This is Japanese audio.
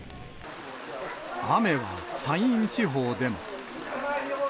雨は山陰地方でも。